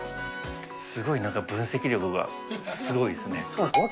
すごい、なんか分析力がすごいですね。